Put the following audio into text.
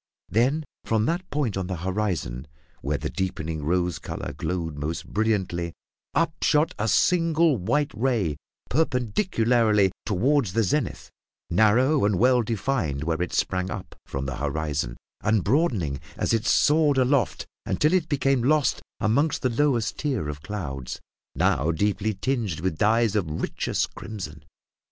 Then from that point on the horizon where the deepening rose colour glowed most brilliantly, up shot a single white ray perpendicularly toward the zenith, narrow and well defined where it sprang from the horizon, and broadening as it soared aloft until it became lost among the lowest tier of clouds, now deeply tinged with dyes of richest crimson.